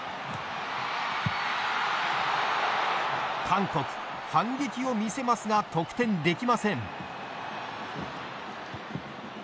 韓国、反撃を見せますが得点できません。